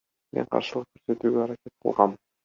Мен каршылык көрсөтүүгө аракет кылгам.